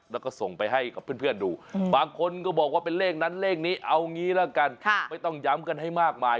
แล้วก็ส่งไปให้กับเพื่อนดูบางคนก็บอกว่าเป็นเลขนั้นเลขนี้เอางี้แล้วกันไม่ต้องย้ำกันให้มากมาย